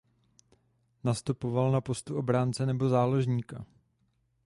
Nastupoval na postu obránce nebo záložníka.